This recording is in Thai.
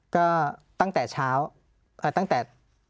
ก็ตั้งแต่เช้าตั้งแต่